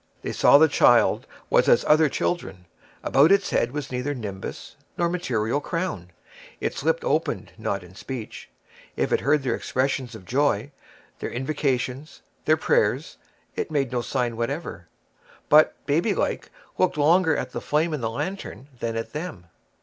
They saw the child was as other children: about its head was neither nimbus nor material crown; its lips opened not in speech; if it heard their expressions of joy, their invocations, their prayers, it made no sign whatever, but, baby like, looked longer at the flame in the lantern than at them.